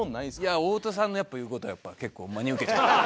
いや太田さんのやっぱ言う事はやっぱ結構真に受けちゃう。